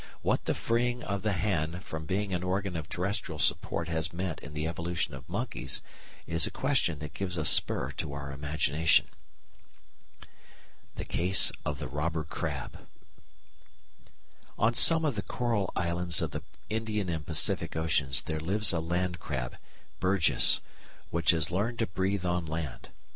What the freeing of the hand from being an organ of terrestrial support has meant in the evolution of monkeys is a question that gives a spur to our imagination. The Case of the Robber Crab On some of the coral islands of the Indian and Pacific Oceans there lives a land crab, Birgus, which has learned to breathe on land.